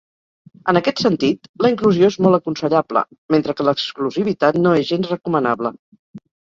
En aquest sentit, la inclusió és molt aconsellable, mentre que l'exclusivitat no és gens recomanable.